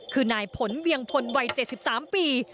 คือนายผลเวียงพลวัย๗๓ปี